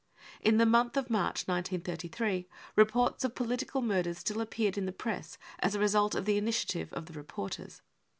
In the month of March 1933, reports of political murders still appeared in the Press as a result of the initiative of the reporters.